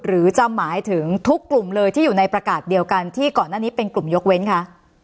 หรือจะหมายถึงทุกกลุ่มเลยที่อยู่ในประกาศเดียวกันที่ก่อนหน้านี้เป็นกลุ่มยกเว้นคะ